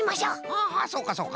ああそうかそうか。